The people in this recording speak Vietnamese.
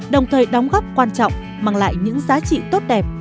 đồng thời đóng góp quan trọng mang lại những giá trị tốt đẹp